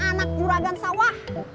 anak juragan sawah